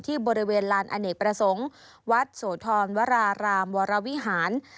บริเวณลานอเนกประสงค์วัดโสธรวรารามวรวิหาร